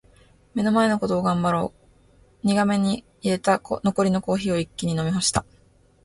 「目の前のことを頑張ろう」苦めに淹れた残りのコーヒーを一気に飲み干した。